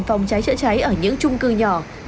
phòng cháy trợ cháy ở những trung cư nhỏ